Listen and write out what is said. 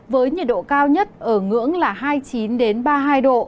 với nhiệt độ cao nhất ở ngưỡng là hai mươi chín ba mươi hai độ